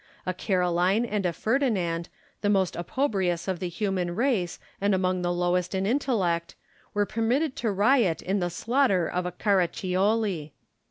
A Caroline and a Ferdinand, the most opprobrious of the human race and among the lowest in intellect, were permitted to riot in the slaughter of a Caraccioli.